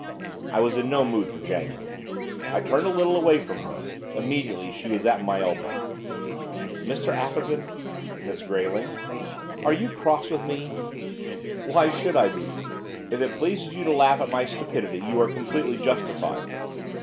I was in no mood for jangling. I turned a little away from her. Immediately she was at my elbow. 'Mr Atherton?' 'Miss Grayling.' 'Are you cross with me?' 'Why should I be? If it pleases you to laugh at my stupidity you are completely justified.